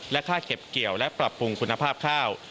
และค่าเก็บเกี่ยวและปรับปรุงคุณภาพข้าว